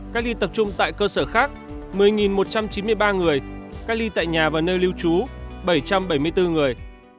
cách ly tập trung tại cơ sở khác một mươi một trăm chín mươi ba người cách ly tại nhà và nơi lưu trú bảy trăm bảy mươi bốn người